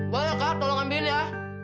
boleh kak tolong ambil ya